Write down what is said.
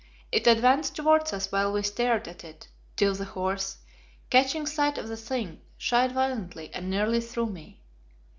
It advanced towards us while we stared at it, till the horse, catching sight of the thing, shied violently and nearly threw me.